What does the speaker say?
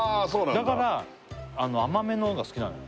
だから甘めのほうが好きなのよ